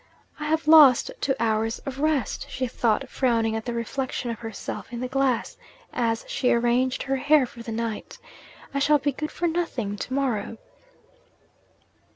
'I have lost two hours of rest,' she thought, frowning at the reflection of herself in the glass, as she arranged her hair for the night. 'I shall be good for nothing to morrow!'